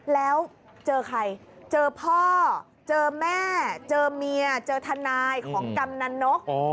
แล้วเจอใครเจอพ่อเจอแม่เจอเมียเจอทนายของกำนันนก